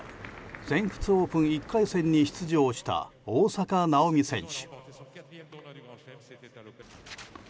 全仏オープン１回戦に出場した大坂なおみ選手。